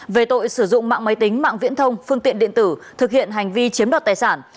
về tội sử dụng mạng máy tính mạng viễn thông phương tiện điện tử thực hiện hành vi chiếm đoạt tài sản